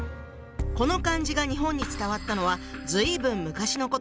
この漢字が日本に伝わったのは随分昔のこと。